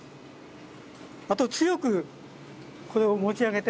あと強くこれを持ち上げて。